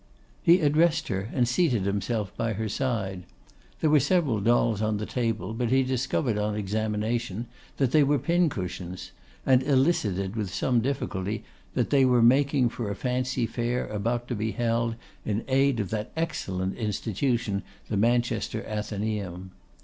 He addressed her, and seated himself by her side. There were several dolls on the table, but he discovered, on examination, that they were pincushions; and elicited, with some difficulty, that they were making for a fancy fair about to be held in aid of that excellent institution, the Manchester Athenaeum.